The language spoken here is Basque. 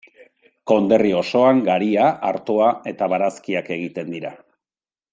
Konderri osoan garia, artoa eta barazkiak egiten dira.